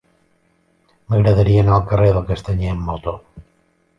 M'agradaria anar al carrer de Castanyer amb moto.